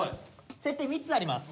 設定３つあります。